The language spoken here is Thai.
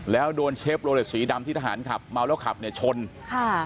แล้วโดนเชฟโลเลสสีดำที่ทหารขับเมาแล้วขับเนี่ยชนค่ะ